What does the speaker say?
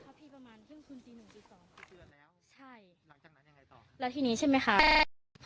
ประมาณครึ่งศูนย์ที่หนึ่งปีสองคือเดือนแล้วใช่หลังจากนั้นยังไงต่อ